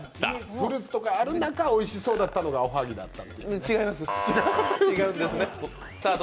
フルーツとかある中、おいしそうだったのが、おはぎだった。